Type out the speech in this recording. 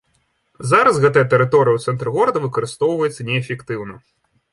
Зараз гэтая тэрыторыя ў цэнтры горада выкарыстоўваецца неэфектыўна.